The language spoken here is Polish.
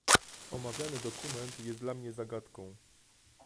Omawiany dokument jest dla mnie zagadką